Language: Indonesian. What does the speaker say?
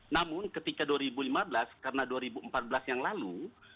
namun ketika dua ribu lima belas karena dua ribu empat belas yang lalu